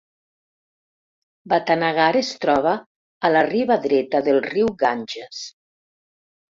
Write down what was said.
Batanagar es troba a la riba dreta del riu Ganges.